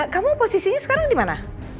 kamu posisinya sekarang di mana